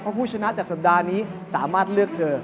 เพราะผู้ชนะจากสัปดาห์นี้สามารถเลือกเธอ